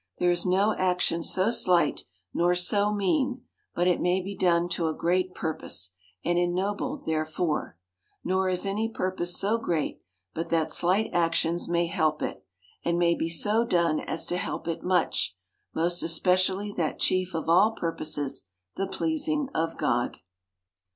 There is no action so slight, nor so mean, but it may be done to a great purpose, and ennobled therefore; nor is any purpose so great but that slight actions may help it, and may be so done as to help it much, most especially that chief of all purposes, the pleasing of God.